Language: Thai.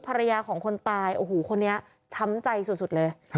ภรรยาของคนตายโอ้โหคนนี้ช้ำใจสุดเลย